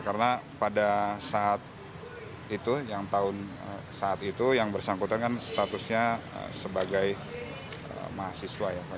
karena pada saat itu yang tahun saat itu yang bersangkutan kan statusnya sebagai mahasiswa